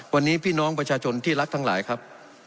วันนี้พี่น้องประชาชนที่รักทั้งหลายครับ